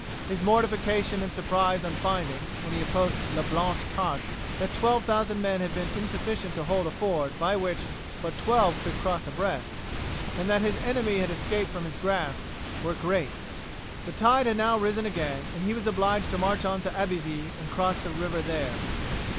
His mortification and surprise on finding, when he approached La Blanche Tache, that twelve thousand men had been insufficient to hold a ford by which but twelve could cross abreast, and that his enemy had escaped from his grasp, were great. The tide had now risen again, and he was obliged to march on to Abbeville and cross the river there.